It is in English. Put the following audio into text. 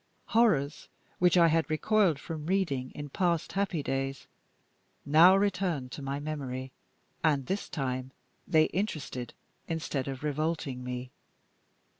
Horrors which I had recoiled from reading in past happy days, now returned to my memory; and, this time, they interested instead of revolting me.